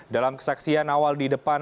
dalam kesaksian awal di depan